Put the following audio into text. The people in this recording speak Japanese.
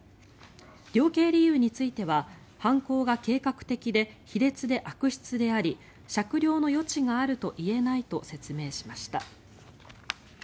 量刑理由については犯行が計画的で卑劣で悪質であり酌量の余地があると言えないと説明しました。